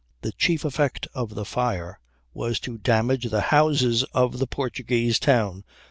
The chief effect of the fire was to damage the houses of the Portuguese town.